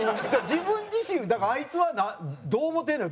自分自身だからあいつはどう思ってるのよ？